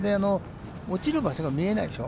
落ちる場所が見えないでしょ。